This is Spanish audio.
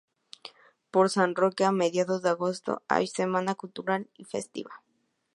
Por San Roque, a mediados de agosto, hay semana cultural y festiva.